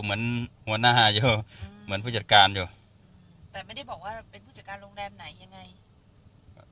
แต่ไม่ได้บอกว่าเป็นผู้จัดการโรงแรมไหนยังไง